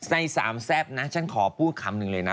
ในสามแซ่บนะฉันขอพูดคำหนึ่งเลยนะ